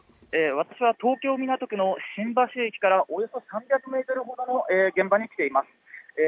私は東京、港区の新橋駅からおよそ３００メートルほどの現場に来ています。